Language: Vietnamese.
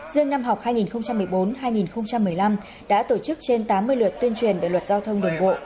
riêng năm học hai nghìn một mươi bốn hai nghìn một mươi năm đã tổ chức trên tám mươi lượt tuyên truyền về luật giao thông đường bộ